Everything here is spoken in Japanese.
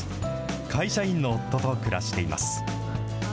会社員の夫と暮らしています。